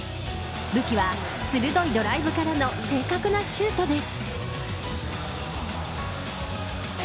武器は鋭いドライブからの正確なシュートです。